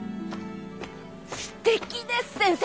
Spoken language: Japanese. すてきです先生。